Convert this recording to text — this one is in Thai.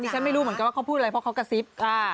ฉันไม่รู้เหมือนกันว่าเขาพูดอะไรเพราะเขากระซิบ